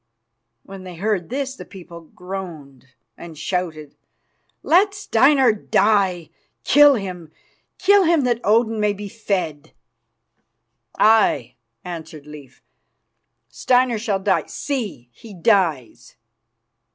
When they heard this, the people groaned and shouted out: "Let Steinar die! Kill him! Kill him that Odin may be fed!" "Aye," answered Leif, "Steinar shall die. See, he dies!"